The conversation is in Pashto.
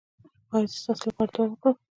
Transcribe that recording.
ایا زه ستاسو لپاره دعا وکړم؟